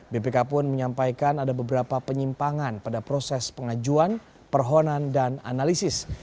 bpk pun menyampaikan ada beberapa penyimpangan pada proses pengajuan perhonan dan analisis